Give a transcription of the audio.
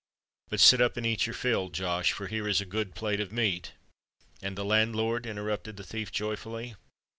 "But sit up and eat your fill, Josh—for here is a good plate of meat——" "And the landlord?" interrupted the thief joyfully.